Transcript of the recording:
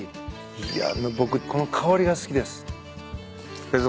いや僕この香りが好きです。